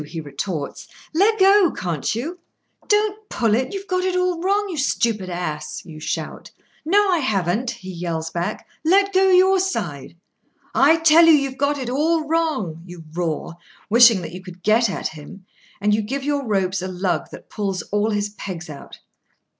he retorts; "leggo, can't you?" "Don't pull it; you've got it all wrong, you stupid ass!" you shout. "No, I haven't," he yells back; "let go your side!" "I tell you you've got it all wrong!" you roar, wishing that you could get at him; and you give your ropes a lug that pulls all his pegs out.